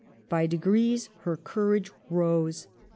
By degrees her courage rose.